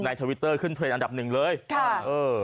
ทวิตเตอร์ขึ้นเทรนดอันดับหนึ่งเลยค่ะเออ